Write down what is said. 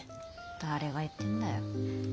誰が言ってんだよ。